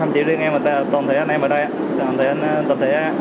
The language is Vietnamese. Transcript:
thậm chí riêng em tổng thể anh em ở đây tổng thể anh tổng thể anh